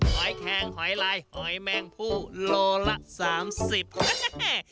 หอยแข็งหอยลายหอยแม่งผู้โลละ๓๐